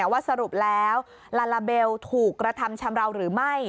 ว่าสรุปแล้วลาลาเบลถูกกระทำชำราวหรือไม่